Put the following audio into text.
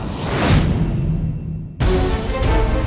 mereka mau komprimasi soal keributan antara mas dewa dan mas dewa